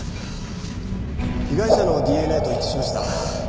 被害者のＤＮＡと一致しました。